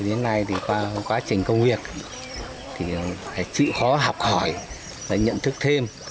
đến nay qua quá trình công việc chịu khó học hỏi nhận thức thêm